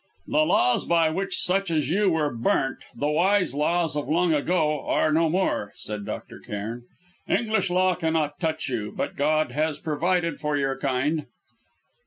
"The laws by which such as you were burnt the wise laws of long ago are no more," said Dr. Cairn. "English law cannot touch you, but God has provided for your kind!"